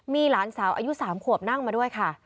มีหลานสาวอายุ๓ขวบนั่งมาด้วยค่ะ